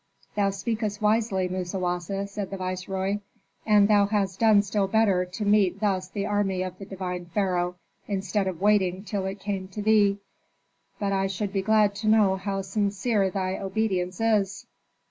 "Thou speakest wisely, Musawasa," said the viceroy, "and thou hast done still better to meet thus the army of the divine pharaoh, instead of waiting till it came to thee. But I should be glad to know how sincere thy obedience is."